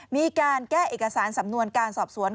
มีการแก้เอกสารสำนวนการสอบสวน